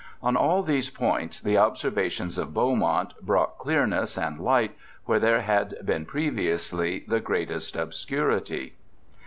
On all these points the observations of Beaumont brought clearness and light where there had been previously the greatest obscurity.